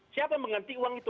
siapa yang mengganti uang itu